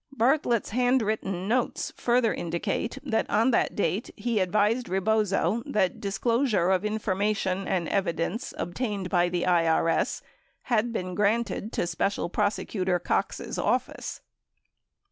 Bartlett's handwritten notes further indicate that on that date he advised Rebozo that disclosure of information and evidence obtained by the IRS had been granted to Special Prosecutor Cox's office.